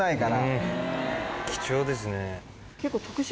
貴重ですね。